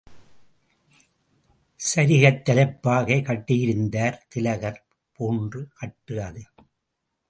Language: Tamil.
சரிகைத் தலைப்பாகை கட்டியிருந்தார் திலகர் போன்ற கட்டு அது.